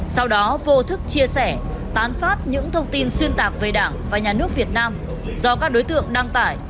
sau đó vô thức chia sẻ tán phát những thông tin xuyên tạc về đảng và nhà nước việt nam do các đối tượng đăng tải